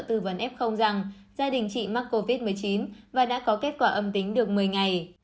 tư vấn f rằng gia đình chị mắc covid một mươi chín và đã có kết quả âm tính được một mươi ngày